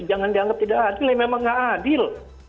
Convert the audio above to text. jangan dianggap tidak adil ya memang nggak adil